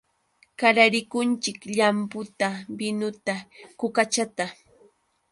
Qararikunchik llamputa, binuta, kukachata.